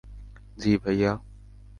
জি, ভাইয়া?